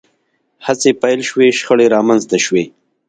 هڅې پیل شوې شخړې رامنځته شوې